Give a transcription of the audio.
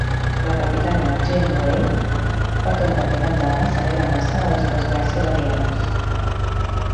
La capitana Janeway porta un pentinat d'home i s'alegra massa de les desgràcies alienes.